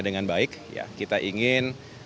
dengan baik kita ingin